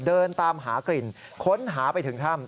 เดินตามหากลิ่นค้นหาไปถึงถ้ำ